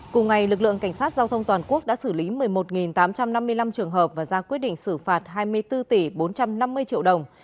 cùng ngày lực lượng cảnh sát giao thông toàn quốc đã xử lý một mươi một tám trăm năm mươi năm trường hợp và ra quyết định xử phạt hai mươi bốn tỷ bốn trăm năm mươi triệu đồng